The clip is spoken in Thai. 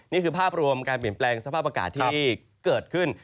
นี่คือภาพรวมการเปลี่ยนแปลงสภาพอากาศที่เกิดขึ้น